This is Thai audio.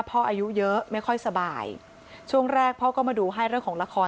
อายุเยอะไม่ค่อยสบายช่วงแรกพ่อก็มาดูให้เรื่องของละคร